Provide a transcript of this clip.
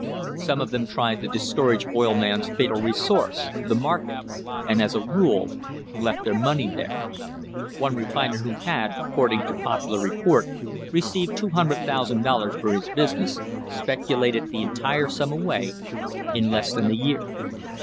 Some of them tried the discouraged oil man's fatal resource, the market, and as a rule left their money there. One refiner who had, according to popular report, received $200,000 for his business, speculated the entire sum away in less than a year.